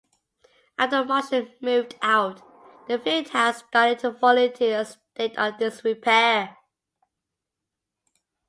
After Marshall moved out, the Fieldhouse started to fall into a state of disrepair.